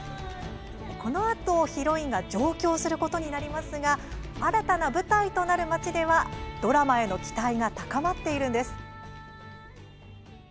このあとヒロインが上京することになりますが新たな舞台となる街ではドラマへの期待が高まっているんです。